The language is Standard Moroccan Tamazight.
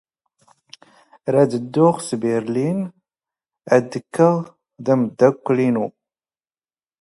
ⵔⴰⴷ ⴷ ⴷⴷⵓⵖ ⵙ ⴱⵉⵔⵍⵉⵏ ⴰⴷ ⴷⴽⴽⵖ ⴷⴰ ⵓⵎⴷⴷⴰⴽⴽⵍ ⵉⵏⵓ.